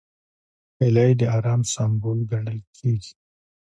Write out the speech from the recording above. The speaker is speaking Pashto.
هیلۍ د ارام سمبول ګڼل کېږي